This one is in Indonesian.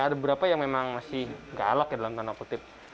ada beberapa yang memang masih galak ya dalam tanda kutip